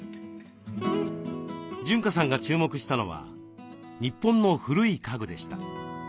潤香さんが注目したのは日本の古い家具でした。